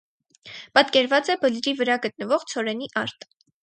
Պատկերված է բլրի վրա գտնվող ցորենի արտ։